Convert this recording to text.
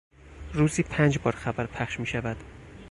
روزی پنج بار خبر پخش میشود.